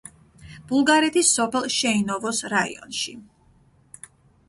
ბულგარეთის სოფელ შეინოვოს რაიონში.